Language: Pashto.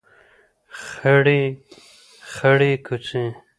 خړې خړۍ کوڅې